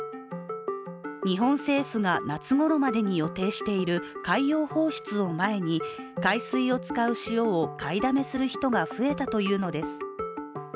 日本政府が夏ごろまでに予定している海洋放出を前に、海水を使う塩を買いだめする人が増えたというのです。